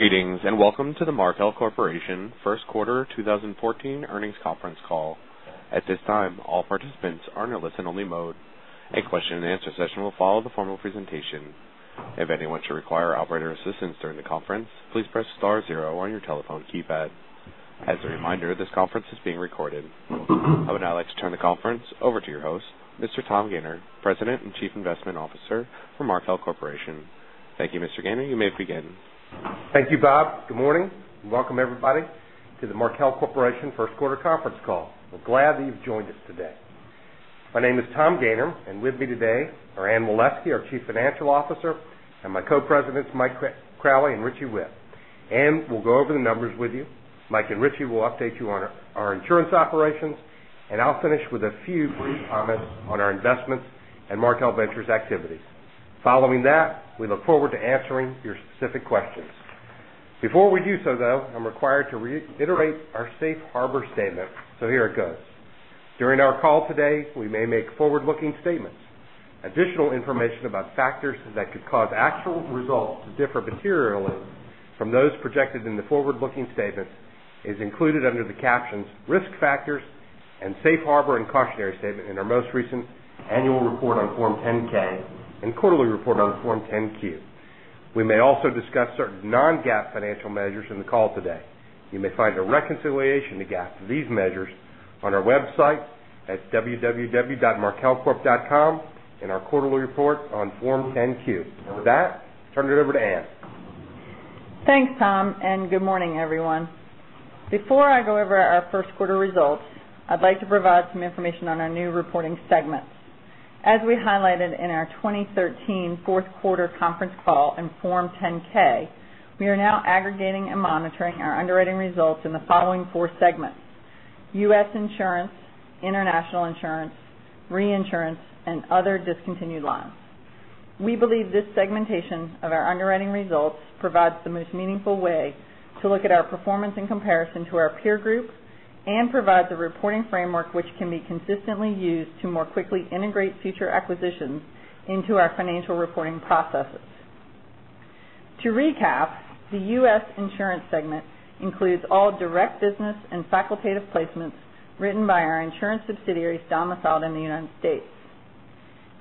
Greetings. Welcome to the Markel Corporation first quarter 2014 earnings conference call. At this time, all participants are in a listen-only mode. A question-and-answer session will follow the formal presentation. If anyone should require operator assistance during the conference, please press star zero on your telephone keypad. As a reminder, this conference is being recorded. I would now like to turn the conference over to your host, Mr. Thomas Gayner, President and Chief Investment Officer for Markel Corporation. Thank you, Mr. Gayner. You may begin. Thank you, Bob. Good morning. Welcome, everybody, to the Markel Corporation first quarter conference call. We're glad that you've joined us today. My name is Tom Gayner, and with me today are Anne Waleski, our Chief Financial Officer, and my co-presidents, Mike Crowley and Richie Whitt. Anne will go over the numbers with you. Mike and Richie will update you on our insurance operations. I'll finish with a few brief comments on our investments and Markel Ventures activities. Following that, we look forward to answering your specific questions. Before we do so, though, I'm required to reiterate our safe harbor statement. Here it goes. During our call today, we may make forward-looking statements. Additional information about factors that could cause actual results to differ materially from those projected in the forward-looking statements is included under the captions "Risk Factors" and "Safe Harbor and Cautionary Statement" in our most recent annual report on Form 10-K and quarterly report on Form 10-Q. We may also discuss certain non-GAAP financial measures in the call today. You may find a reconciliation to GAAP for these measures on our website at www.markelcorp.com in our quarterly report on Form 10-Q. With that, I turn it over to Anne. Thanks, Tom. Good morning, everyone. Before I go over our first quarter results, I'd like to provide some information on our new reporting segments. As we highlighted in our 2013 fourth quarter conference call and Form 10-K, we are now aggregating and monitoring our underwriting results in the following four segments: U.S. Insurance, International Insurance, Reinsurance, and other discontinued lines. We believe this segmentation of our underwriting results provides the most meaningful way to look at our performance in comparison to our peer groups and provide the reporting framework which can be consistently used to more quickly integrate future acquisitions into our financial reporting processes. To recap, the U.S. insurance segment includes all direct business and facultative placements written by our insurance subsidiaries domiciled in the United States.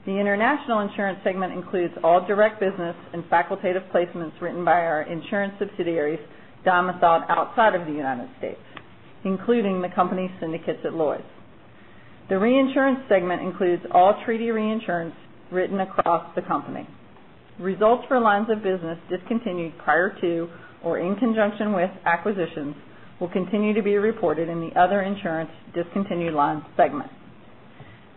The international insurance segment includes all direct business and facultative placements written by our insurance subsidiaries domiciled outside of the U.S., including the company's syndicates at Lloyd's. The reinsurance segment includes all treaty reinsurance written across the company. Results for lines of business discontinued prior to or in conjunction with acquisitions will continue to be reported in the other insurance discontinued lines segment.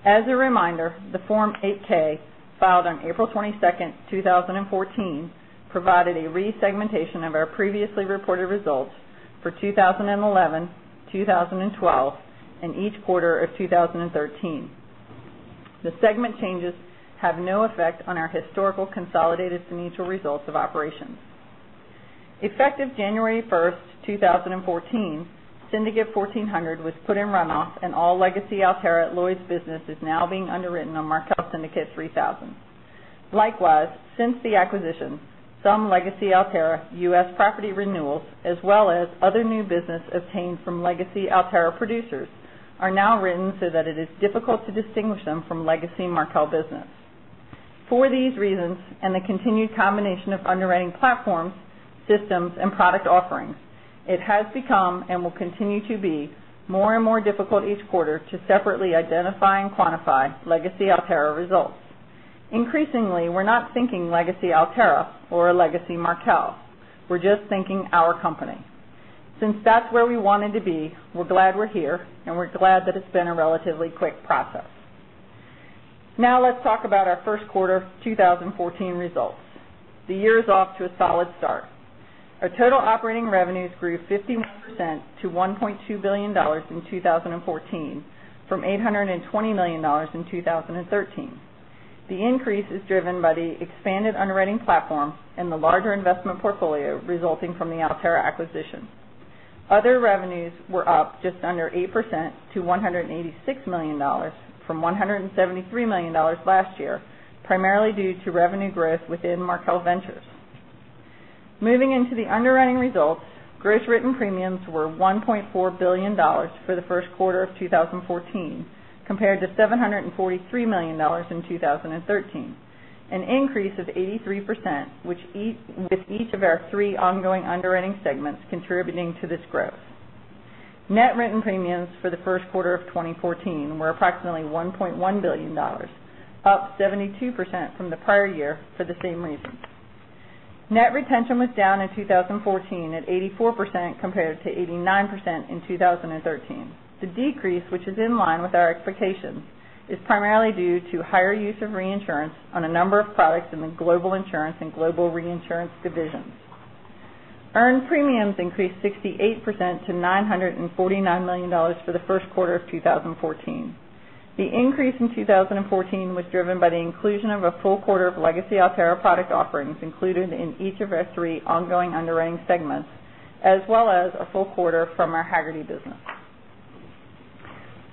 As a reminder, the Form 8-K filed on April 22nd, 2014, provided a resegmentation of our previously reported results for 2011, 2012, and each quarter of 2013. The segment changes have no effect on our historical consolidated financial results of operations. Effective January 1st, 2014, Syndicate 1400 was put in run-off, and all legacy Alterra at Lloyd's business is now being underwritten on Markel Syndicate 3000. Likewise, since the acquisition, some legacy Alterra U.S. property renewals, as well as other new business obtained from legacy Alterra producers, are now written so that it is difficult to distinguish them from legacy Markel business. For these reasons, and the continued combination of underwriting platforms, systems, and product offerings, it has become and will continue to be more and more difficult each quarter to separately identify and quantify legacy Alterra results. Increasingly, we're not thinking legacy Alterra or legacy Markel. We're just thinking our company. Since that's where we wanted to be, we're glad we're here, and we're glad that it's been a relatively quick process. Now let's talk about our first quarter 2014 results. The year is off to a solid start. Our total operating revenues grew 51% to $1.2 billion in 2014 from $820 million in 2013. The increase is driven by the expanded underwriting platform and the larger investment portfolio resulting from the Alterra acquisition. Other revenues were up just under 8% to $186 million from $173 million last year, primarily due to revenue growth within Markel Ventures. Moving into the underwriting results, gross written premiums were $1.4 billion for the first quarter of 2014 compared to $743 million in 2013, an increase of 83%, with each of our three ongoing underwriting segments contributing to this growth. Net written premiums for the first quarter of 2014 were approximately $1.1 billion, up 72% from the prior year for the same reason. Net retention was down in 2014 at 84% compared to 89% in 2013. The decrease, which is in line with our expectations, is primarily due to higher use of reinsurance on a number of products in the global insurance and global reinsurance divisions. Earned premiums increased 68% to $949 million for the first quarter of 2014. The increase in 2014 was driven by the inclusion of a full quarter of legacy Alterra product offerings included in each of our three ongoing underwriting segments, as well as a full quarter from our Hagerty business.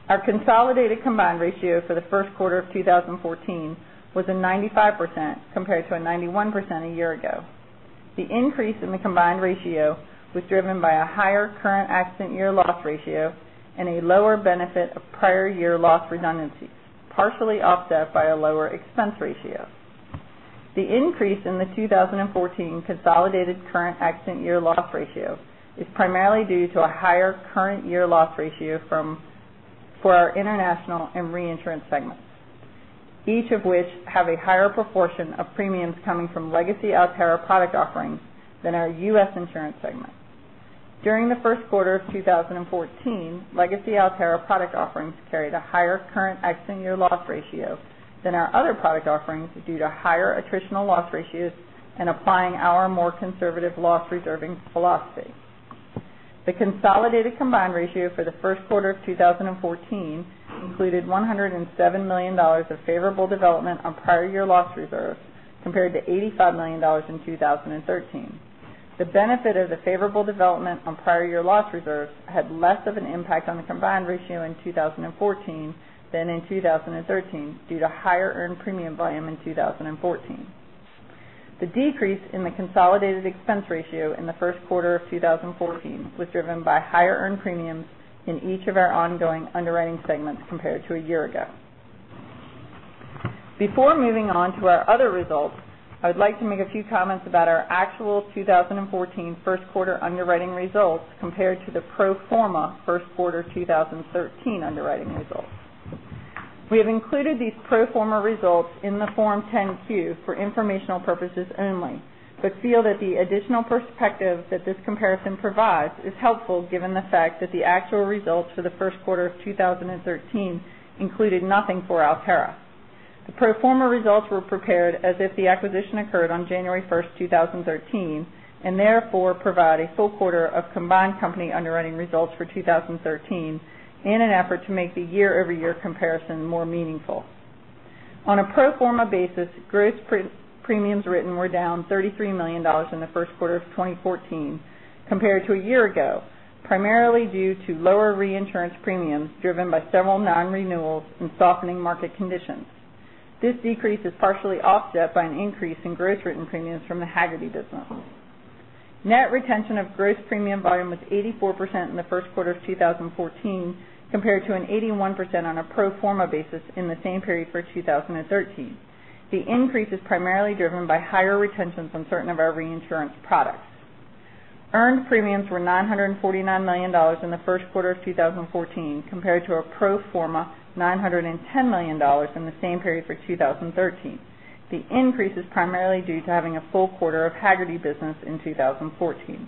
Our consolidated combined ratio for the first quarter of 2014 was a 95%, compared to a 91% a year ago. The increase in the combined ratio was driven by a higher current accident year loss ratio and a lower benefit of prior year loss redundancies, partially offset by a lower expense ratio. The increase in the 2014 consolidated current accident year loss ratio is primarily due to a higher current year loss ratio for our international and reinsurance segments, each of which have a higher proportion of premiums coming from legacy Alterra product offerings than our U.S. insurance segment. During the first quarter of 2014, legacy Alterra product offerings carried a higher current accident year loss ratio than our other product offerings due to higher attritional loss ratios and applying our more conservative loss reserving philosophy. The consolidated combined ratio for the first quarter of 2014 included $107 million of favorable development on prior year loss reserves, compared to $85 million in 2013. The benefit of the favorable development on prior year loss reserves had less of an impact on the combined ratio in 2014 than in 2013, due to higher earned premium volume in 2014. The decrease in the consolidated expense ratio in the first quarter of 2014 was driven by higher earned premiums in each of our ongoing underwriting segments compared to a year ago. Before moving on to our other results, I would like to make a few comments about our actual 2014 first quarter underwriting results compared to the pro forma first quarter 2013 underwriting results. We have included these pro forma results in the Form 10-Q for informational purposes only, but feel that the additional perspective that this comparison provides is helpful given the fact that the actual results for the first quarter of 2013 included nothing for Alterra. The pro forma results were prepared as if the acquisition occurred on January 1st, 2013, and therefore provide a full quarter of combined company underwriting results for 2013 in an effort to make the year-over-year comparison more meaningful. On a pro forma basis, gross premiums written were down $33 million in the first quarter of 2014 compared to a year ago, primarily due to lower reinsurance premiums driven by several non-renewals and softening market conditions. This decrease is partially offset by an increase in gross written premiums from the Hagerty business. Net retention of gross premium volume was 84% in the first quarter of 2014, compared to an 81% on a pro forma basis in the same period for 2013. The increase is primarily driven by higher retention from certain of our reinsurance products. Earned premiums were $949 million in the first quarter of 2014, compared to a pro forma $910 million in the same period for 2013. The increase is primarily due to having a full quarter of Hagerty business in 2014.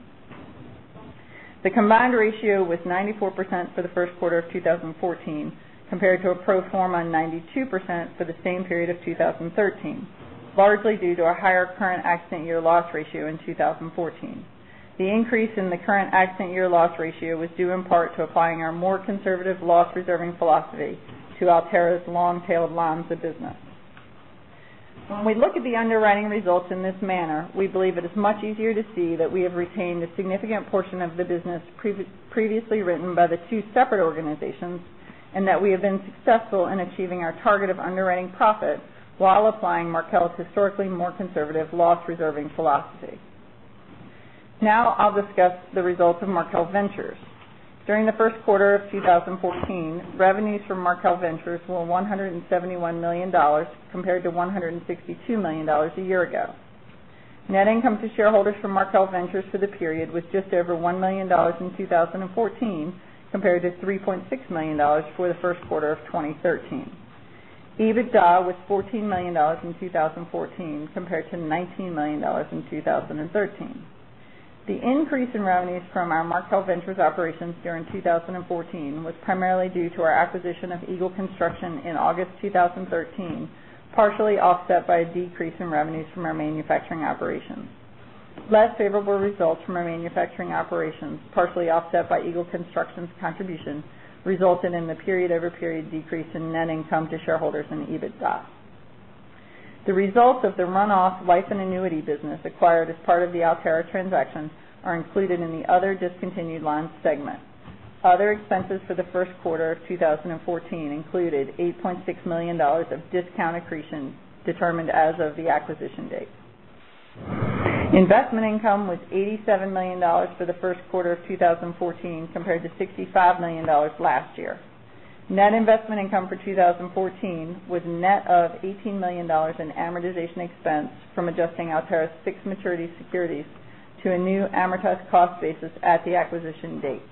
The combined ratio was 94% for the first quarter of 2014, compared to a pro forma 92% for the same period of 2013, largely due to a higher current accident year loss ratio in 2014. The increase in the current accident year loss ratio was due in part to applying our more conservative loss reserving philosophy to Alterra's long-tailed lines of business. When we look at the underwriting results in this manner, we believe it is much easier to see that we have retained a significant portion of the business previously written by the two separate organizations, and that we have been successful in achieving our target of underwriting profit while applying Markel's historically more conservative loss reserving philosophy. I'll discuss the results of Markel Ventures. During the first quarter of 2014, revenues from Markel Ventures were $171 million, compared to $162 million a year ago. Net income to shareholders from Markel Ventures for the period was just over $1 million in 2014, compared to $3.6 million for the first quarter of 2013. EBITDA was $14 million in 2014 compared to $19 million in 2013. The increase in revenues from our Markel Ventures operations during 2014 was primarily due to our acquisition of Eagle Construction in August 2013, partially offset by a decrease in revenues from our manufacturing operations. Less favorable results from our manufacturing operations, partially offset by Eagle Construction's contribution, resulted in the period-over-period decrease in net income to shareholders and EBITDA. The results of the runoff life and annuity business acquired as part of the Alterra transaction are included in the other discontinued lines segment. Other expenses for the first quarter of 2014 included $8.6 million of discount accretion determined as of the acquisition date. Investment income was $87 million for the first quarter of 2014 compared to $65 million last year. Net investment income for 2014 was net of $18 million in amortization expense from adjusting Alterra's fixed maturity securities to a new amortized cost basis at the acquisition date.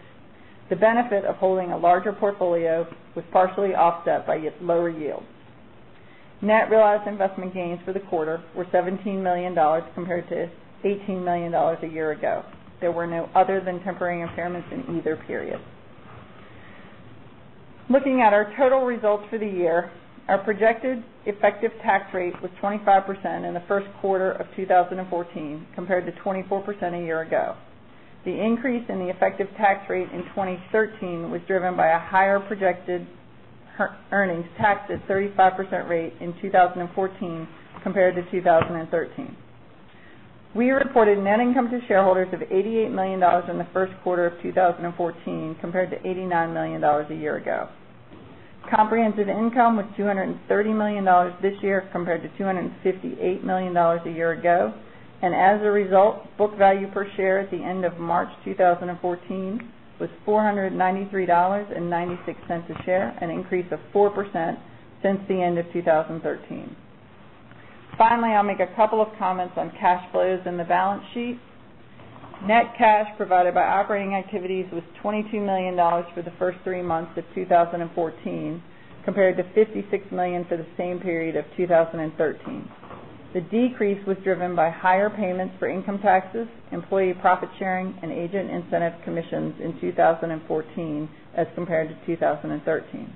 The benefit of holding a larger portfolio was partially offset by lower yields. Net realized investment gains for the quarter were $17 million compared to $18 million a year ago. There were no other-than-temporary impairments in either period. Looking at our total results for the year, our projected effective tax rate was 25% in the first quarter of 2014 compared to 24% a year ago. The increase in the effective tax rate in 2013 was driven by a higher projected earnings taxed at 35% rate in 2014 compared to 2013. We reported net income to shareholders of $88 million in the first quarter of 2014 compared to $89 million a year ago. Comprehensive income was $230 million this year compared to $258 million a year ago, and as a result, book value per share at the end of March 2014 was $493.96 a share, an increase of 4% since the end of 2013. Finally, I'll make a couple of comments on cash flows in the balance sheet. Net cash provided by operating activities was $22 million for the first three months of 2014, compared to $56 million for the same period of 2013. The decrease was driven by higher payments for income taxes, employee profit sharing, and agent incentive commissions in 2014 as compared to 2013.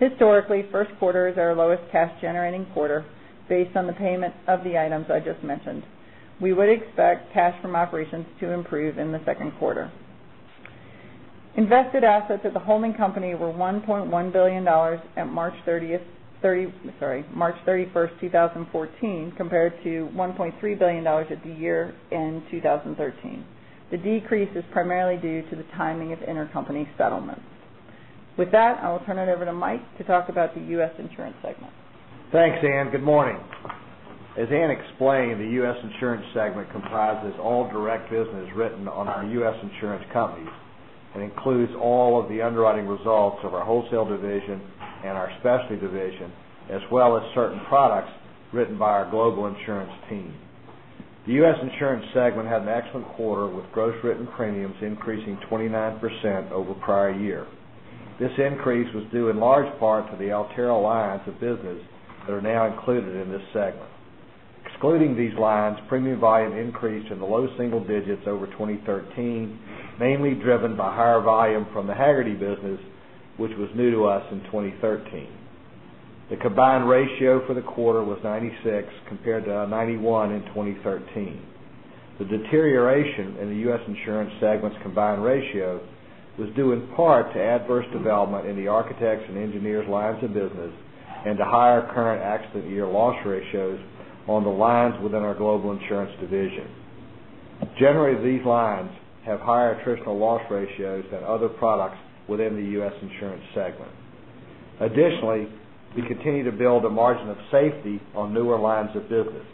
Historically, first quarter is our lowest cash-generating quarter based on the payment of the items I just mentioned. We would expect cash from operations to improve in the second quarter. Invested assets at the holding company were $1.1 billion at March 31st, 2014, compared to $1.3 billion at the year-end 2013. The decrease is primarily due to the timing of intercompany settlements. With that, I will turn it over to Mike to talk about the U.S. insurance segment. Thanks, Anne. Good morning. As Anne explained, the U.S. Insurance segment comprises all direct business written on our U.S. insurance companies and includes all of the underwriting results of our wholesale division and our specialty division, as well as certain products written by our global insurance team. The U.S. Insurance segment had an excellent quarter, with gross written premiums increasing 29% over prior year. This increase was due in large part to the Alterra lines of business that are now included in this segment. Excluding these lines, premium volume increased in the low single digits over 2013, mainly driven by higher volume from the Hagerty business, which was new to us in 2013. The combined ratio for the quarter was 96 compared to 91 in 2013. The deterioration in the U.S. Insurance segment's combined ratio was due in part to adverse development in the architects and engineers lines of business and to higher current accident year loss ratios on the lines within our global insurance division. Generally, these lines have higher attritional loss ratios than other products within the U.S. Insurance segment. Additionally, we continue to build a margin of safety on newer lines of business.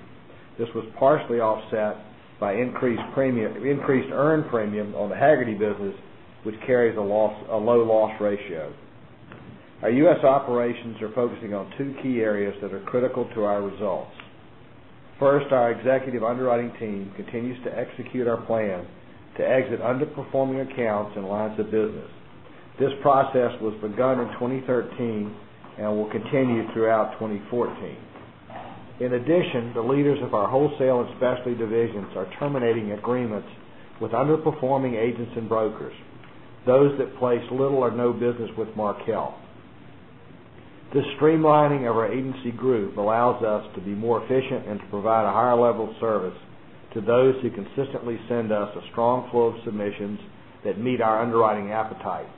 This was partially offset by increased earned premium on the Hagerty business, which carries a low loss ratio. Our U.S. operations are focusing on two key areas that are critical to our results. First, our executive underwriting team continues to execute our plan to exit underperforming accounts and lines of business. This process was begun in 2013 and will continue throughout 2014. In addition, the leaders of our wholesale and specialty divisions are terminating agreements with underperforming agents and brokers, those that place little or no business with Markel. This streamlining of our agency group allows us to be more efficient and to provide a higher level of service to those who consistently send us a strong flow of submissions that meet our underwriting appetite.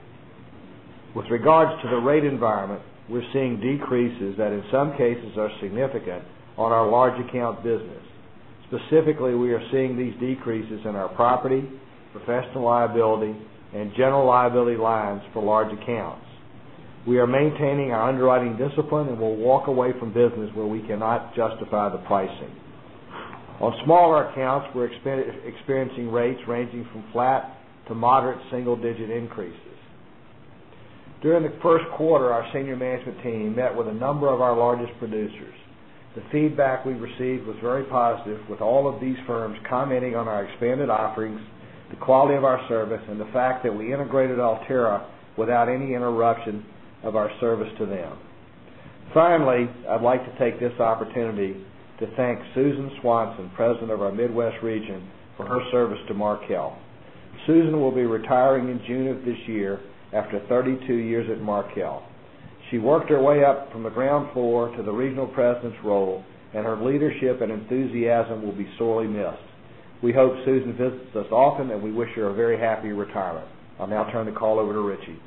With regards to the rate environment, we're seeing decreases that, in some cases, are significant on our large account business. Specifically, we are seeing these decreases in our property, professional liability, and general liability lines for large accounts. We are maintaining our underwriting discipline, and we'll walk away from business where we cannot justify the pricing. On smaller accounts, we're experiencing rates ranging from flat to moderate single-digit increases. During the first quarter, our senior management team met with a number of our largest producers. The feedback we received was very positive, with all of these firms commenting on our expanded offerings, the quality of our service, and the fact that we integrated Alterra without any interruption of our service to them. Finally, I'd like to take this opportunity to thank Susan Swanson, President of our Midwest region, for her service to Markel. Susan will be retiring in June of this year after 32 years at Markel. She worked her way up from the ground floor to the regional President's role, and her leadership and enthusiasm will be sorely missed. We hope Susan visits us often, and we wish her a very happy retirement. I'll now turn the call over to Richie.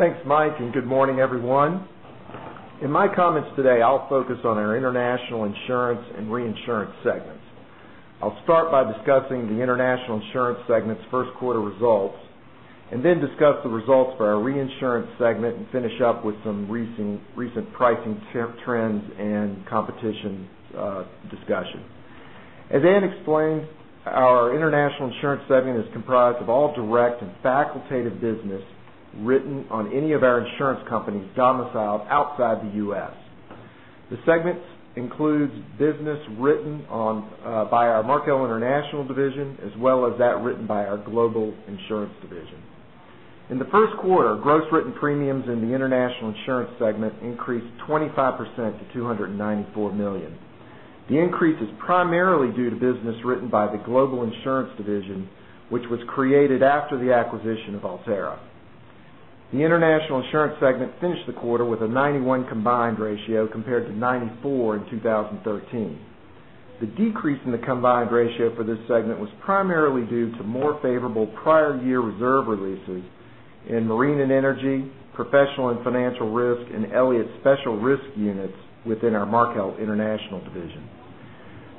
Thanks, Mike, and good morning, everyone. In my comments today, I'll focus on our international insurance and reinsurance segments. I'll start by discussing the international insurance segment's first quarter results, then discuss the results for our reinsurance segment, finish up with some recent pricing trends and competition discussion. As Anne explained, our international insurance segment is comprised of all direct and facultative business written on any of our insurance companies domiciled outside the U.S. The segment includes business written by our Markel International division as well as that written by our global insurance division. In the first quarter, gross written premiums in the international insurance segment increased 25% to $294 million. The increase is primarily due to business written by the global insurance division, which was created after the acquisition of Alterra. The international insurance segment finished the quarter with a 91% combined ratio compared to 94% in 2013. The decrease in the combined ratio for this segment was primarily due to more favorable prior year reserve releases in marine and energy, professional and financial risk, and Elliott Special Risks units within our Markel International division.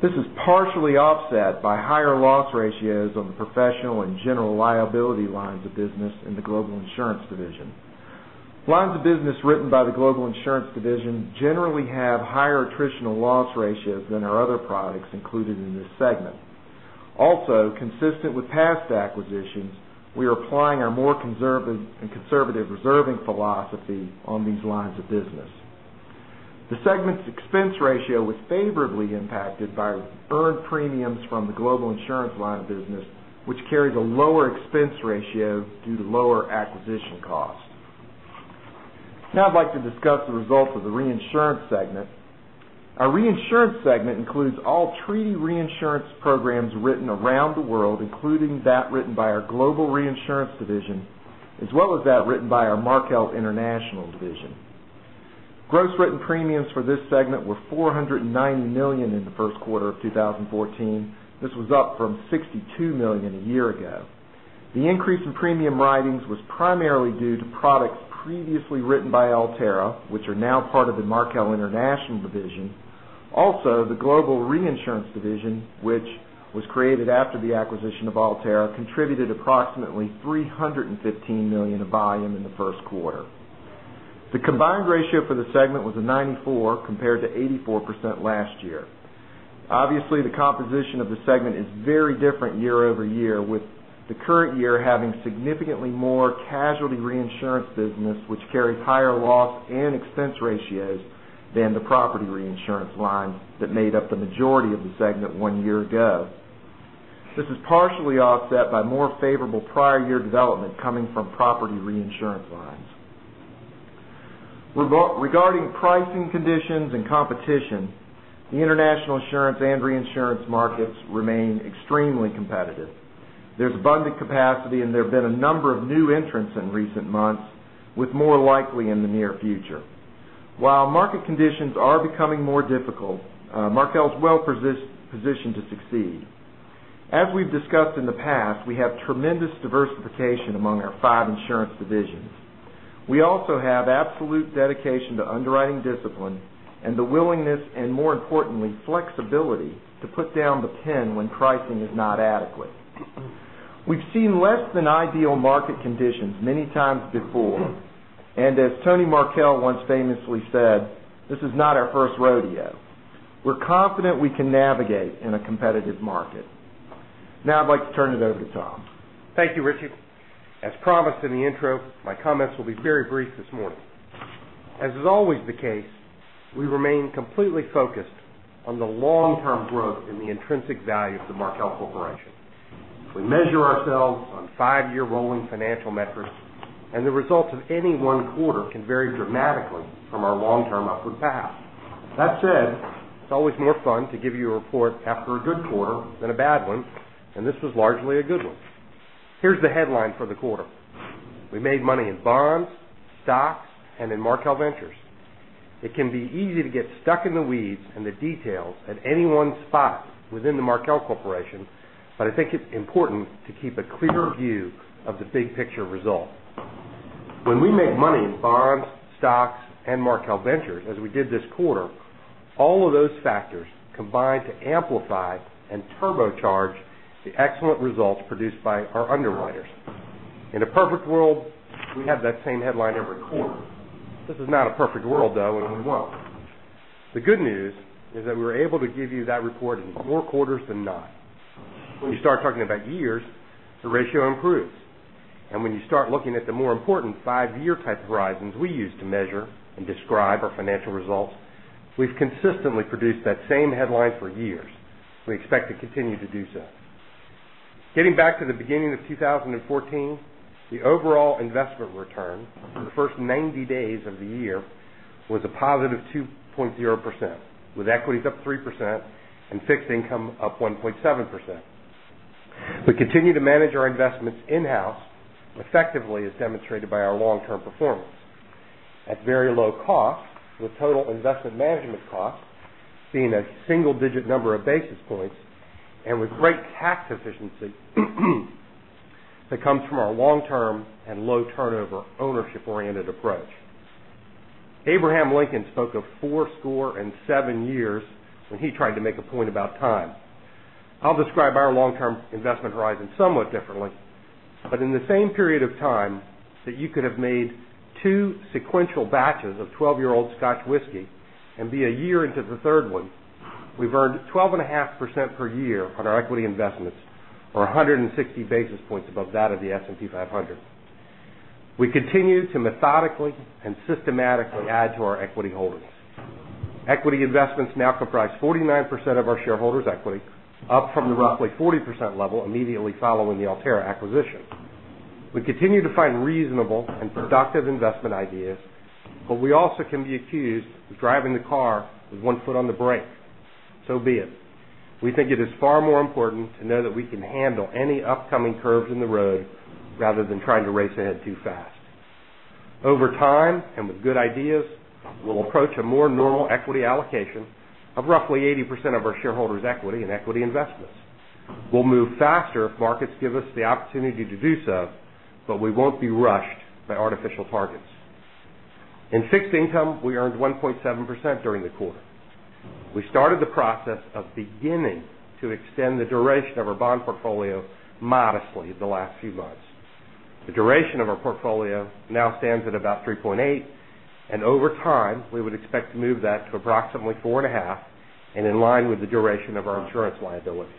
This is partially offset by higher loss ratios on the professional and general liability lines of business in the global insurance division. Lines of business written by the global insurance division generally have higher attritional loss ratios than our other products included in this segment. Also, consistent with past acquisitions, we are applying our more conservative reserving philosophy on these lines of business. The segment's expense ratio was favorably impacted by earned premiums from the global insurance line of business, which carries a lower expense ratio due to lower acquisition costs. I'd like to discuss the results of the reinsurance segment. Our reinsurance segment includes all treaty reinsurance programs written around the world, including that written by our global reinsurance division, as well as that written by our Markel International division. Gross written premiums for this segment were $490 million in the first quarter of 2014. This was up from $62 million a year ago. The increase in premium writings was primarily due to products previously written by Alterra, which are now part of the Markel International division. The global reinsurance division, which was created after the acquisition of Alterra, contributed approximately $315 million of volume in the first quarter. The combined ratio for the segment was a 94% compared to 84% last year. Obviously, the composition of the segment is very different year-over-year, with the current year having significantly more casualty reinsurance business, which carries higher loss and expense ratios than the property reinsurance line that made up the majority of the segment 1 year ago. This is partially offset by more favorable prior year development coming from property reinsurance lines. Regarding pricing conditions and competition, the international insurance and reinsurance markets remain extremely competitive. There's abundant capacity, there have been a number of new entrants in recent months, with more likely in the near future. While market conditions are becoming more difficult, Markel is well positioned to succeed. As we've discussed in the past, we have tremendous diversification among our 5 insurance divisions. We also have absolute dedication to underwriting discipline, the willingness and, more importantly, flexibility to put down the pen when pricing is not adequate. We've seen less than ideal market conditions many times before. As Tony Markel once famously said, "This is not our first rodeo." We're confident we can navigate in a competitive market. I'd like to turn it over to Tom. Thank you, Richie. As promised in the intro, my comments will be very brief this morning. As is always the case, we remain completely focused on the long-term growth and the intrinsic value of the Markel Corporation. We measure ourselves on five-year rolling financial metrics. The results of any one quarter can vary dramatically from our long-term upward path. That said, it's always more fun to give you a report after a good quarter than a bad one. This was largely a good one. Here's the headline for the quarter. We made money in bonds, stocks, and in Markel Ventures. It can be easy to get stuck in the weeds and the details at any one spot within the Markel Corporation. I think it's important to keep a clear view of the big picture result. When we make money in bonds, stocks, and Markel Ventures, as we did this quarter, all of those factors combine to amplify and turbocharge the excellent results produced by our underwriters. In a perfect world, we'd have that same headline every quarter. This is not a perfect world, though. We won't. The good news is that we were able to give you that report in more quarters than not. When you start talking about years, the ratio improves. When you start looking at the more important 5-year type horizons we use to measure and describe our financial results, we've consistently produced that same headline for years. We expect to continue to do so. Getting back to the beginning of 2014, the overall investment return for the first 90 days of the year was a positive 2.0%, with equities up 3% and fixed income up 1.7%. We continue to manage our investments in-house effectively, as demonstrated by our long-term performance. At very low cost, with total investment management costs being a single-digit number of basis points. With great tax efficiency that comes from our long-term and low turnover ownership-oriented approach. Abraham Lincoln spoke of fourscore and seven years when he tried to make a point about time. I'll describe our long-term investment horizon somewhat differently, but in the same period of time that you could have made two sequential batches of 12-year-old Scotch whiskey and be a year into the third one, we've earned 12.5% per year on our equity investments, or 160 basis points above that of the S&P 500. We continue to methodically and systematically add to our equity holdings. Equity investments now comprise 49% of our shareholders' equity, up from the roughly 40% level immediately following the Alterra acquisition. We continue to find reasonable and productive investment ideas. We also can be accused of driving the car with one foot on the brake. Be it. We think it is far more important to know that we can handle any upcoming curves in the road rather than trying to race ahead too fast. Over time, with good ideas, we'll approach a more normal equity allocation of roughly 80% of our shareholders' equity and equity investments. We'll move faster if markets give us the opportunity to do so. We won't be rushed by artificial targets. In fixed income, we earned 1.7% during the quarter. We started the process of beginning to extend the duration of our bond portfolio modestly the last few months. The duration of our portfolio now stands at about 3.8. Over time, we would expect to move that to approximately 4.5, in line with the duration of our insurance liabilities.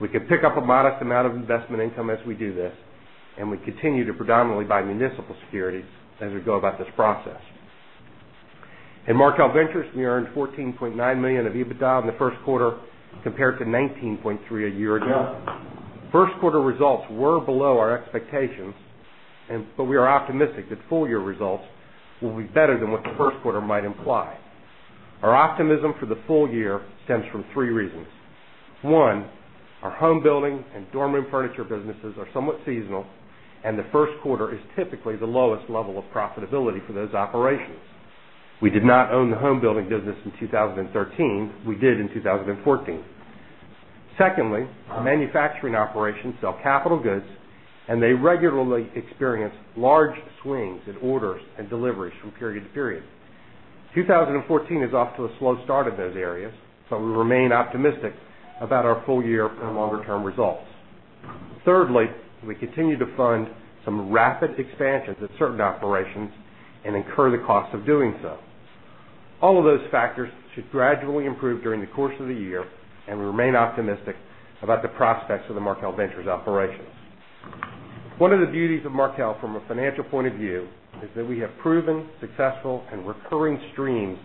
We can pick up a modest amount of investment income as we do this. We continue to predominantly buy municipal securities as we go about this process. In Markel Ventures, we earned $14.9 million of EBITDA in the first quarter compared to $19.3 a year ago. First quarter results were below our expectations. We are optimistic that full-year results will be better than what the first quarter might imply. Our optimism for the full year stems from three reasons. One, our home building and dorm room furniture businesses are somewhat seasonal. The first quarter is typically the lowest level of profitability for those operations. We did not own the home building business in 2013. We did in 2014. Secondly, our manufacturing operations sell capital goods. They regularly experience large swings in orders and deliveries from period to period. 2014 is off to a slow start in those areas. We remain optimistic about our full-year and longer-term results. Thirdly, we continue to fund some rapid expansions at certain operations and incur the cost of doing so. All of those factors should gradually improve during the course of the year. We remain optimistic about the prospects of the Markel Ventures operations. One of the beauties of Markel from a financial point of view is that we have proven successful and recurring streams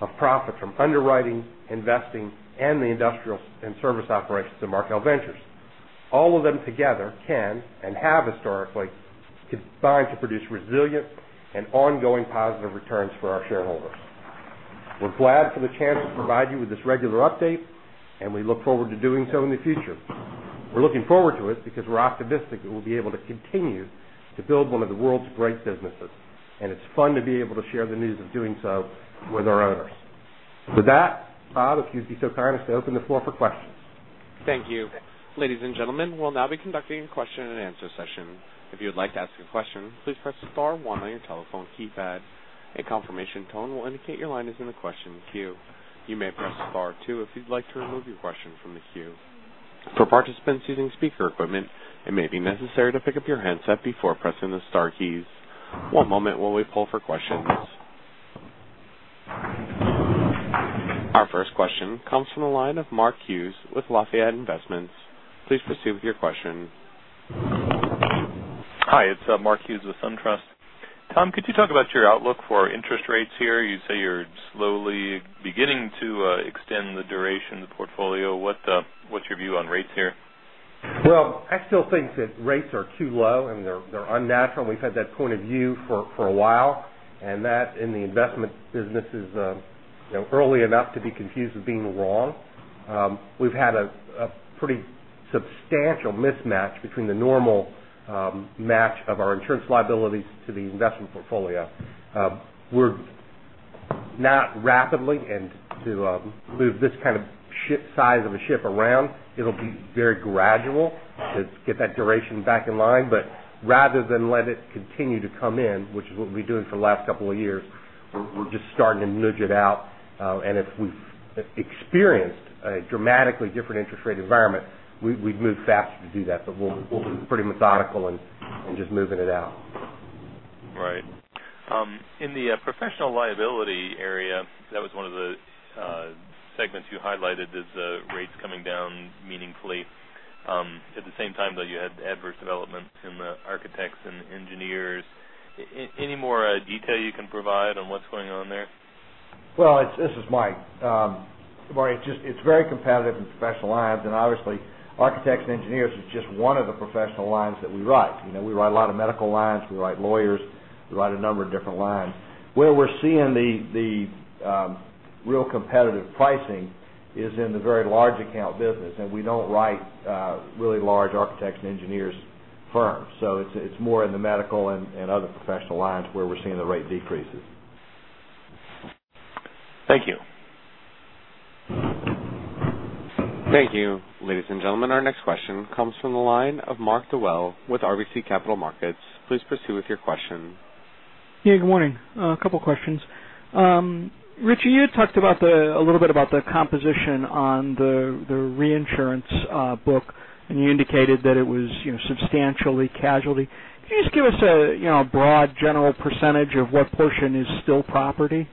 of profit from underwriting, investing, and the industrial and service operations of Markel Ventures. All of them together can and have historically combined to produce resilient and ongoing positive returns for our shareholders. We're glad for the chance to provide you with this regular update. We look forward to doing so in the future. We're looking forward to it because we're optimistic that we'll be able to continue to build one of the world's great businesses. It's fun to be able to share the news of doing so with our owners. With that, Bob, if you'd be so kind as to open the floor for questions. Thank you. Ladies and gentlemen, we'll now be conducting a question and answer session. If you would like to ask a question, please press star one on your telephone keypad. A confirmation tone will indicate your line is in the question queue. You may press star two if you'd like to remove your question from the queue. For participants using speaker equipment, it may be necessary to pick up your handset before pressing the star keys. One moment while we poll for questions. Our first question comes from the line of Mark Hughes with Lafayette Investments. Please proceed with your question. Hi, it's Mark Hughes with SunTrust. Tom, could you talk about your outlook for interest rates here? You say you're slowly beginning to extend the duration of the portfolio. What's your view on rates here? Well, I still think that rates are too low, and they're unnatural, and we've had that point of view for a while, and that in the investment business is early enough to be confused with being wrong. We've had a pretty substantial mismatch between the normal match of our insurance liabilities to the investment portfolio. We're not rapidly, and to move this kind of ship size of a ship around, it'll be very gradual to get that duration back in line. Rather than let it continue to come in, which is what we've been doing for the last couple of years, we're just starting to nudge it out. If we've experienced a dramatically different interest rate environment, we'd move faster to do that. We're pretty methodical in just moving it out. Right. In the professional liability area, that was one of the segments you highlighted as rates coming down meaningfully. At the same time, though, you had adverse developments in the architects and engineers. Any more detail you can provide on what's going on there? this is Mike. Mark, it's very competitive in professional lines, and obviously, architects and engineers is just one of the professional lines that we write. We write a lot of medical lines. We write lawyers. We write a number of different lines. Where we're seeing the real competitive pricing is in the very large account business, and we don't write really large architects and engineers firms. It's more in the medical and other professional lines where we're seeing the rate decreases. Thank you. Thank you. Ladies and gentlemen, our next question comes from the line of Mark Dwelle with RBC Capital Markets. Please proceed with your question. Good morning. A couple questions. Richie, you had talked a little bit about the composition on the reinsurance book, and you indicated that it was substantially casualty. Can you just give us a broad, general percentage of what portion is still property?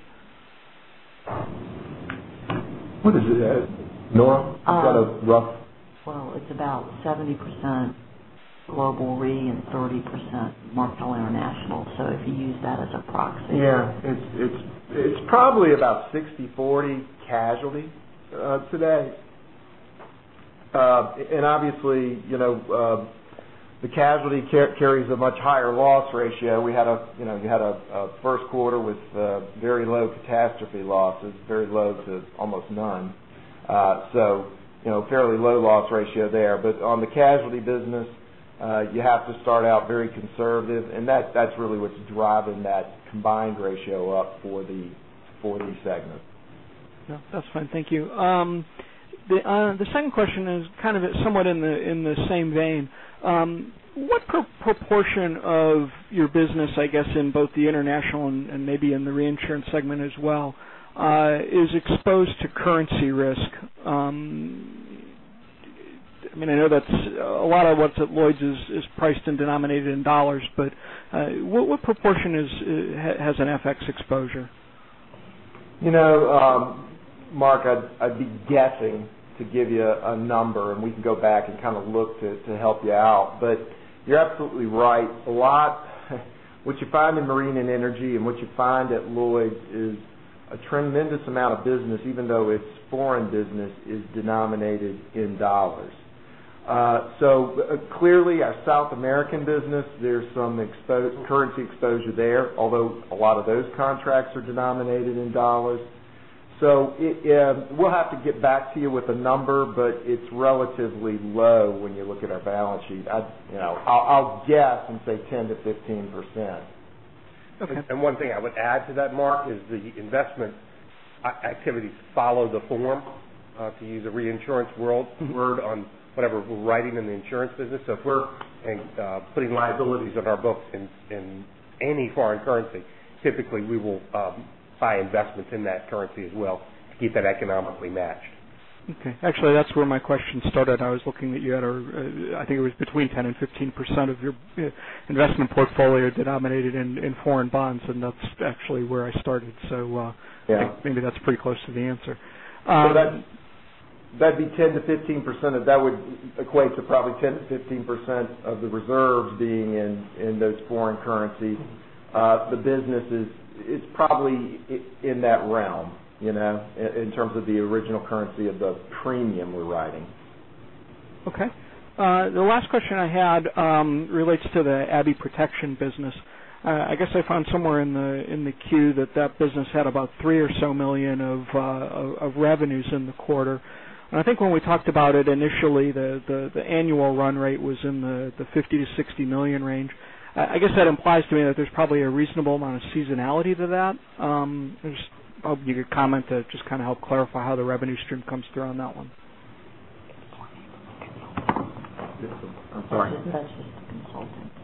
What is it, Nora? You got a Well, it's about 70% Global Re and 30% Markel International. If you use that as a proxy. Yeah, it's probably about 60/40 casualty today. Obviously, the casualty carries a much higher loss ratio. We had a first quarter with very low catastrophe losses, very low to almost none. Fairly low loss ratio there. On the casualty business, you have to start out very conservative, and that's really what's driving that combined ratio up for the segment. Yeah, that's fine. Thank you. The second question is kind of somewhat in the same vein. What proportion of your business, I guess, in both the international and maybe in the reinsurance segment as well, is exposed to currency risk? I know that a lot of what's at Lloyd's is priced and denominated in dollars, but what proportion has an FX exposure? Mark, I'd be guessing to give you a number, and we can go back and kind of look to help you out. You're absolutely right. What you find in marine and energy, and what you find at Lloyd's is a tremendous amount of business, even though it's foreign business, is denominated in dollars. Clearly, our South American business, there's some currency exposure there, although a lot of those contracts are denominated in dollars. We'll have to get back to you with a number, but it's relatively low when you look at our balance sheet. I'll guess and say 10%-15%. Okay. One thing I would add to that, Mark, is the investment activities follow the form, to use a reinsurance word on whatever we're writing in the insurance business. If we're putting liabilities of our books in any foreign currency, typically we will buy investments in that currency as well to keep that economically matched. Okay. Actually, that's where my question started. I was looking at you at, I think it was between 10% and 15% of your investment portfolio denominated in foreign bonds, and that's actually where I started. Yeah. I think maybe that's pretty close to the answer. That'd be 10%-15%, that would equate to probably 10%-15% of the reserves being in those foreign currency. The business is probably in that realm, in terms of the original currency of the premium we're writing. Okay. The last question I had relates to the Abbey Protection business. I guess I found somewhere in the Form 10-Q that that business had about three or so million of revenues in the quarter. I think when we talked about it initially, the annual run rate was in the $50 million-$60 million range. I guess that implies to me that there's probably a reasonable amount of seasonality to that. I was hoping you could comment to just kind of help clarify how the revenue stream comes through on that one.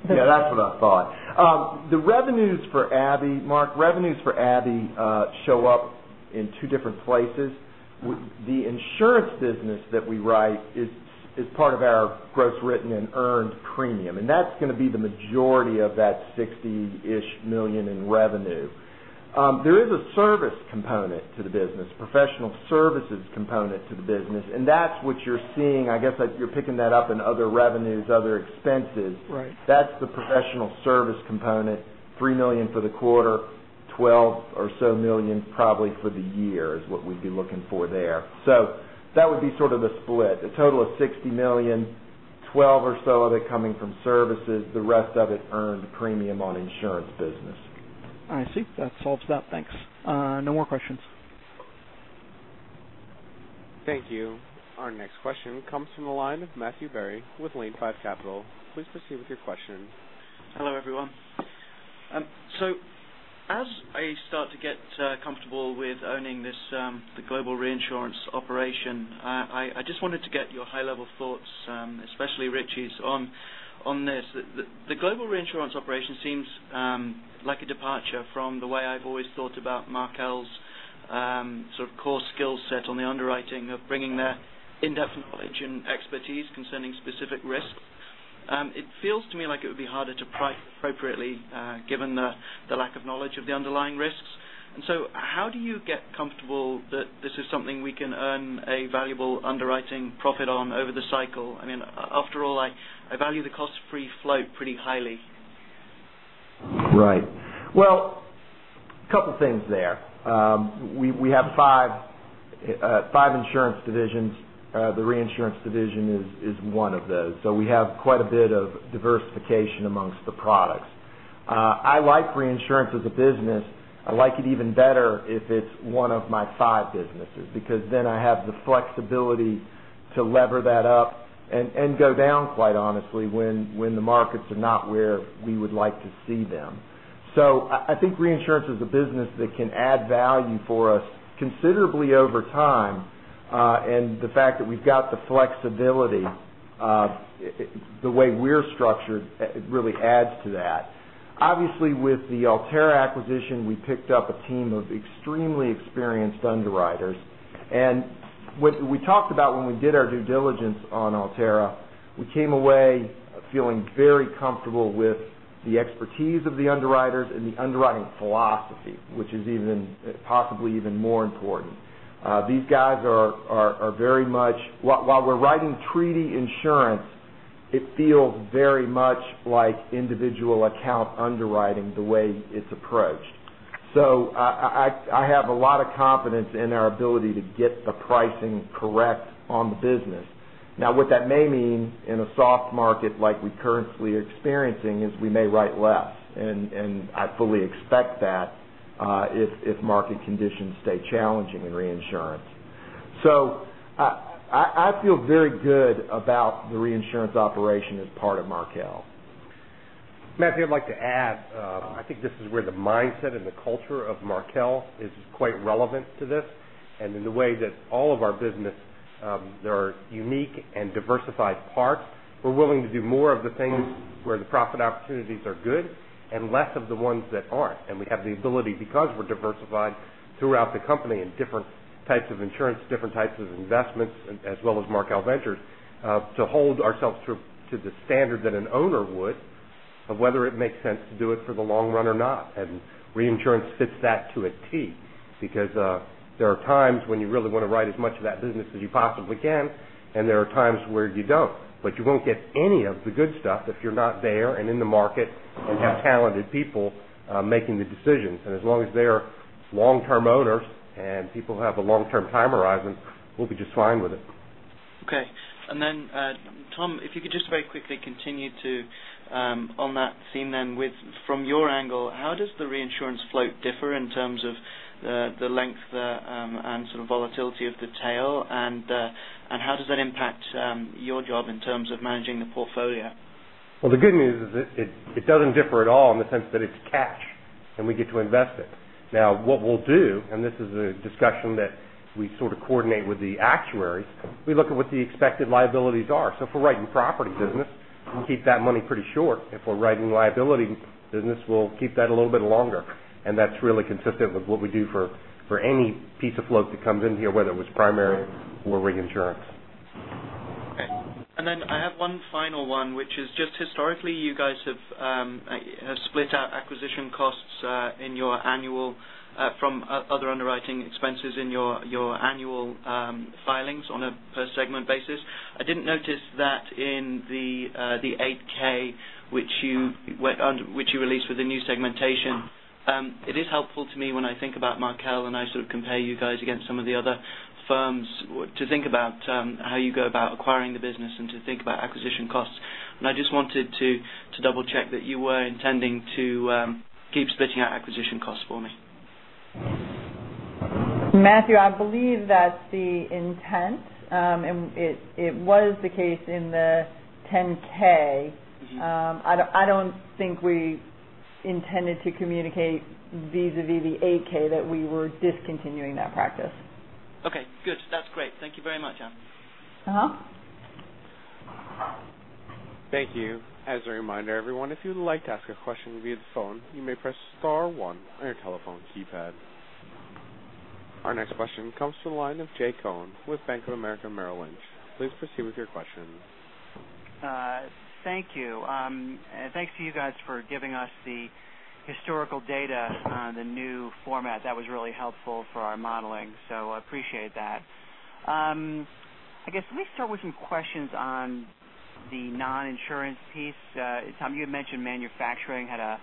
Yeah, that's what I thought. Mark, revenues for Abbey show up in two different places. The insurance business that we write is part of our gross written and earned premium, and that's going to be the majority of that 60-ish million in revenue. There is a service component to the business, professional services component to the business, and that's what you're seeing. I guess you're picking that up in other revenues, other expenses. Right. That's the professional service component. $3 million for the quarter, $12 or so million probably for the year, is what we'd be looking for there. That would be sort of the split. A total of $60 million, $12 or so of it coming from services, the rest of it earned premium on insurance business. I see. That solves that. Thanks. No more questions. Thank you. Our next question comes from the line of Matthew Barry with Lane Five Capital. Please proceed with your question. Hello, everyone. As I start to get comfortable with owning this, the global reinsurance operation, I just wanted to get your high-level thoughts, especially Richie's, on this. The global reinsurance operation seems like a departure from the way I've always thought about Markel's sort of core skill set on the underwriting of bringing their in-depth knowledge and expertise concerning specific risks. It feels to me like it would be harder to price appropriately, given the lack of knowledge of the underlying risks. How do you get comfortable that this is something we can earn a valuable underwriting profit on over the cycle? After all, I value the cost-free float pretty highly. Well, a couple of things there. We have five insurance divisions. The reinsurance division is one of those. I like reinsurance as a business. I like it even better if it's one of my five businesses, because then I have the flexibility to lever that up and go down, quite honestly, when the markets are not where we would like to see them. I think reinsurance is a business that can add value for us considerably over time. The fact that we've got the flexibility, the way we're structured, it really adds to that. Obviously, with the Alterra acquisition, we picked up a team of extremely experienced underwriters. What we talked about when we did our due diligence on Alterra, we came away feeling very comfortable with the expertise of the underwriters and the underwriting philosophy, which is possibly even more important. These guys are very much. While we're writing treaty reinsurance, it feels very much like individual account underwriting, the way it's approached. I have a lot of confidence in our ability to get the pricing correct on the business. Now, what that may mean in a soft market like we currently are experiencing is we may write less. I fully expect that if market conditions stay challenging in reinsurance. I feel very good about the reinsurance operation as part of Markel. Matthew, I'd like to add, I think this is where the mindset and the culture of Markel is quite relevant to this. In the way that all of our business, there are unique and diversified parts. We're willing to do more of the things where the profit opportunities are good and less of the ones that aren't. We have the ability because we're diversified throughout the company in different types of insurance, different types of investments, as well as Markel Ventures, to hold ourselves to the standard that an owner would of whether it makes sense to do it for the long run or not. Reinsurance fits that to a T because there are times when you really want to write as much of that business as you possibly can and there are times where you don't. You won't get any of the good stuff if you're not there and in the market and have talented people making the decisions. As long as they are long-term owners and people have a long-term time horizon, we'll be just fine with it. Okay. Tom, if you could just very quickly continue to, on that theme then with, from your angle, how does the reinsurance float differ in terms of the length and sort of volatility of the tail and how does that impact your job in terms of managing the portfolio? Well, the good news is it doesn't differ at all in the sense that it's cash and we get to invest it. What we'll do, and this is a discussion that we sort of coordinate with the actuaries, we look at what the expected liabilities are. If we're writing property business, we keep that money pretty short. If we're writing liability business, we'll keep that a little bit longer. That's really consistent with what we do for any piece of float that comes in here, whether it was primary or reinsurance. Okay. I have one final one, which is just historically, you guys have split out acquisition costs from other underwriting expenses in your annual filings on a per segment basis. I didn't notice that in the 8-K which you released with the new segmentation. It is helpful to me when I think about Markel and I sort of compare you guys against some of the other firms to think about how you go about acquiring the business and to think about acquisition costs. I just wanted to double check that you were intending to keep splitting out acquisition costs for me. Matthew, I believe that's the intent. It was the case in the 10-K. I don't think we intended to communicate vis-a-vis the Form 8-K that we were discontinuing that practice. Okay, good. That's great. Thank you very much, Anne. Thank you. As a reminder, everyone, if you'd like to ask a question via the phone, you may press star one on your telephone keypad. Our next question comes from the line of Jay Cohen with Bank of America Merrill Lynch. Please proceed with your question. Thank you. Thanks to you guys for giving us the historical data on the new format. That was really helpful for our modeling. Appreciate that. I guess let me start with some questions on the non-insurance piece. Tom, you had mentioned manufacturing had a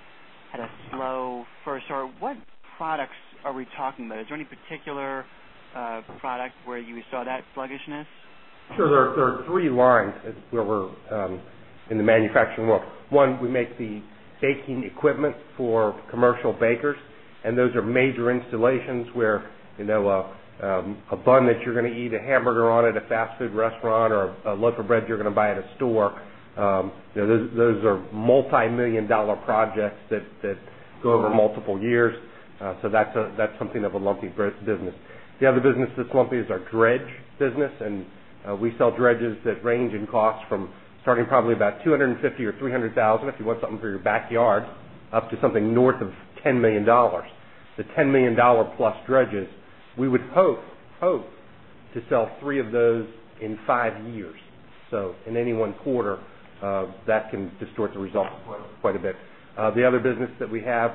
slow first. What products are we talking about? Is there any particular product where you saw that sluggishness? Sure. There are three lines where we're in the manufacturing world. One, we make the baking equipment for commercial bakers, and those are major installations where, a bun that you're going to eat a hamburger on at a fast food restaurant or a loaf of bread you're going to buy at a store. Those are multimillion-dollar projects that go over multiple years. That's something of a lumpy business. The other business that's lumpy is our dredge business. We sell dredges that range in cost from starting probably about $250,000 or $300,000, if you want something for your backyard, up to something north of $10 million. The $10 million-plus dredges, we would hope to sell three of those in five years. In any one quarter, that can distort the results quite a bit. The other business that we have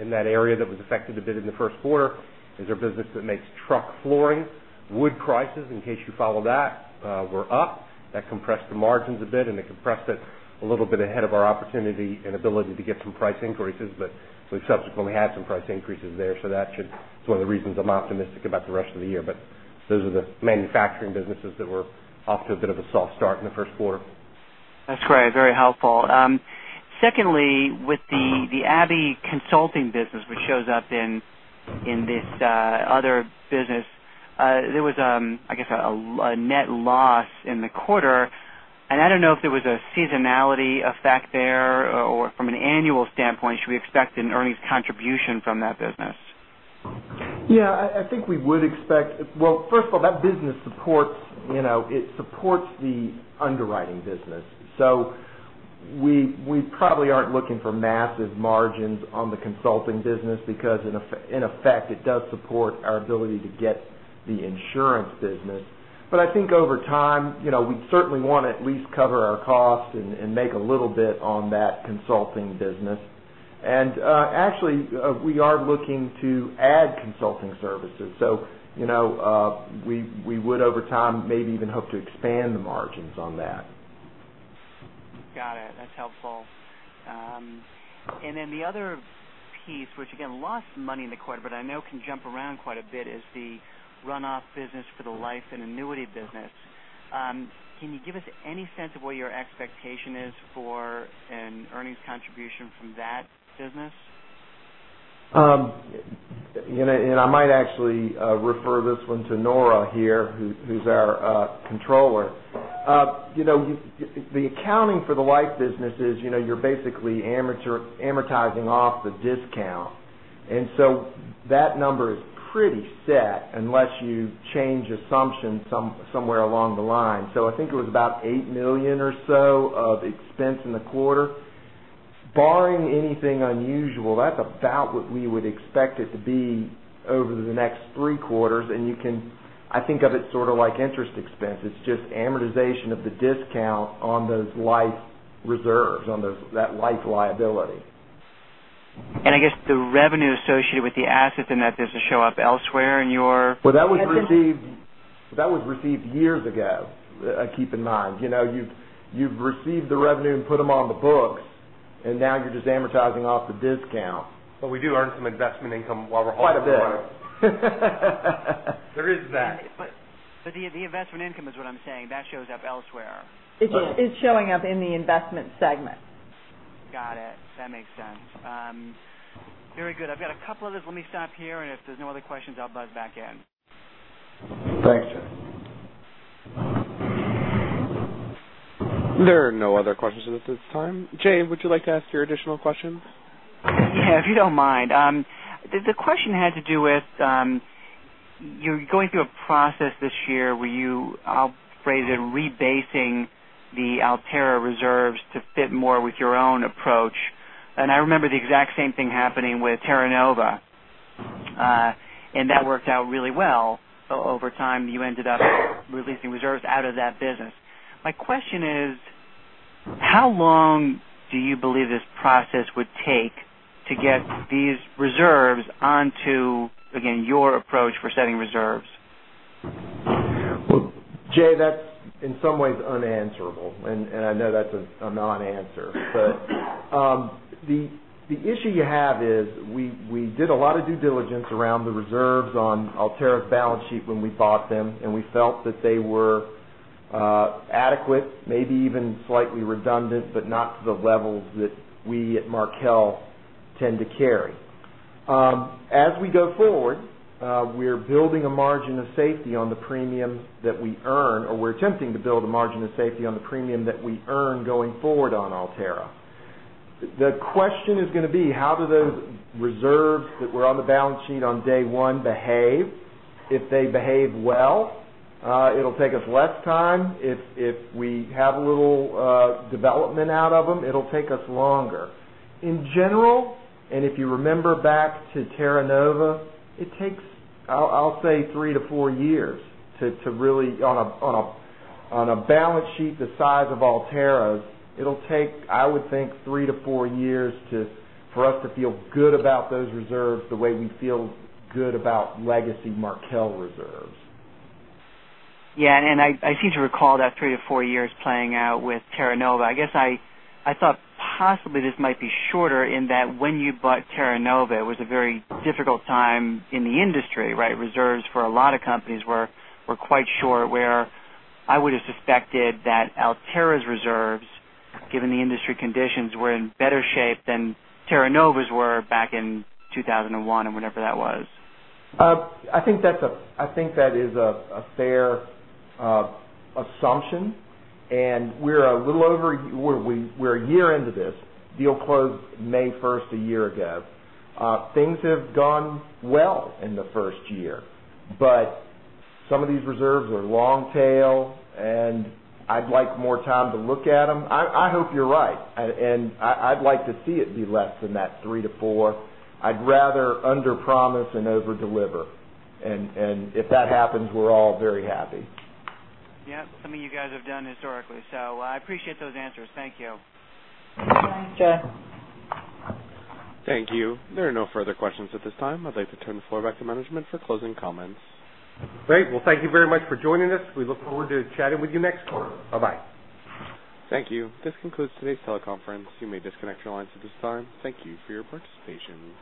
in that area that was affected a bit in the first quarter is our business that makes truck flooring. Wood prices, in case you follow that, were up. That compressed the margins a bit, and it compressed it a little bit ahead of our opportunity and ability to get some price increases. We've subsequently had some price increases there, so that's one of the reasons I'm optimistic about the rest of the year. Those are the manufacturing businesses that were off to a bit of a soft start in the first quarter. That's great. Very helpful. Secondly, with the Abbey Protection business, which shows up in this other business, there was, I guess, a net loss in the quarter. I don't know if there was a seasonality effect there, or from an annual standpoint, should we expect an earnings contribution from that business? I think first of all, that business supports the underwriting business. We probably aren't looking for massive margins on the consulting business because in effect, it does support our ability to get the insurance business. I think over time, we certainly want to at least cover our costs and make a little bit on that consulting business. Actually, we are looking to add consulting services. We would over time maybe even hope to expand the margins on that. Got it. That's helpful. The other piece, which, again, lost money in the quarter, but I know can jump around quite a bit, is the runoff business for the life and annuity business. Can you give us any sense of what your expectation is for an earnings contribution from that business? I might actually refer this one to Nora here, who's our controller. The accounting for the life business is, you're basically amortizing off the discount. That number is pretty set unless you change assumptions somewhere along the line. I think it was about $8 million or so of expense in the quarter. Barring anything unusual, that's about what we would expect it to be over the next three quarters. I think of it sort of like interest expense. It's just amortization of the discount on those life reserves, on that life liability. I guess the revenue associated with the assets in that business show up elsewhere in your- Well, that was received years ago. Keep in mind. You've received the revenue and put them on the books, and now you're just amortizing off the discount. We do earn some investment income while we're holding them. Quite a bit. There is that. The investment income is what I'm saying, that shows up elsewhere. Right. It's showing up in the investment segment. Got it. That makes sense. Very good. I've got a couple others. Let me stop here, and if there's no other questions, I'll buzz back in. Thanks, Jay. There are no other questions at this time. Jay, would you like to ask your additional questions? Yeah, if you don't mind. The question had to do with, you're going through a process this year where you, I'll phrase it, rebasing the Alterra reserves to fit more with your own approach. I remember the exact same thing happening with Terra Nova. That worked out really well. Over time, you ended up releasing reserves out of that business. My question is, how long do you believe this process would take to get these reserves onto, again, your approach for setting reserves? Well, Jay, that's in some ways unanswerable, I know that's a non-answer. The issue you have is we did a lot of due diligence around the reserves on Alterra's balance sheet when we bought them, and we felt that they were adequate, maybe even slightly redundant, but not to the levels that we at Markel tend to carry. As we go forward, we're building a margin of safety on the premiums that we earn, or we're attempting to build a margin of safety on the premium that we earn going forward on Alterra. The question is going to be, how do those reserves that were on the balance sheet on day one behave? If they behave well, it'll take us less time. If we have a little development out of them, it'll take us longer. In general, if you remember back to Terra Nova, it takes, I'll say three to four years. On a balance sheet the size of Alterra's, it'll take, I would think, three to four years for us to feel good about those reserves the way we feel good about legacy Markel reserves. Yeah, I seem to recall that three to four years playing out with Terra Nova. I guess I thought possibly this might be shorter in that when you bought Terra Nova, it was a very difficult time in the industry, right? Reserves for a lot of companies were quite short, where I would have suspected that Alterra's reserves, given the industry conditions, were in better shape than Terra Nova's were back in 2001 or whenever that was. I think that is a fair assumption. We're a year into this. Deal closed May 1st a year ago. Things have gone well in the first year, but some of these reserves are long tail, and I'd like more time to look at them. I hope you're right, and I'd like to see it be less than that 3-4. I'd rather underpromise and overdeliver. If that happens, we're all very happy. Yeah. Something you guys have done historically. I appreciate those answers. Thank you. Jay. Thank you. There are no further questions at this time. I'd like to turn the floor back to management for closing comments. Great. Well, thank you very much for joining us. We look forward to chatting with you next quarter. Bye-bye. Thank you. This concludes today's teleconference. You may disconnect your lines at this time. Thank you for your participation.